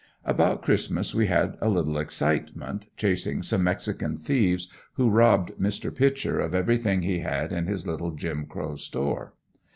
About Christmas we had a little excitement, chasing some mexican thieves, who robbed Mr. Pitcher of everything he had in his little Jim Crow store.